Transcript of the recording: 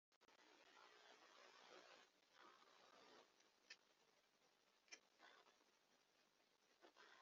perezidansi ya repubulika zifite inshingano